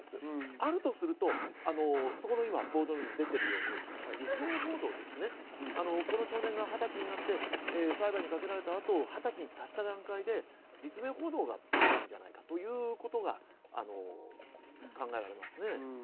あるとすると冒頭に出ているように、実名報道ですね、この少年が２０歳になって裁判にかけられた後、２０歳に達した段階で実名報道が出てくるんじゃないかということが考えられますね。